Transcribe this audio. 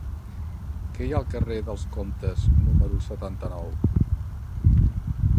Què hi ha al carrer dels Comtes número setanta-nou?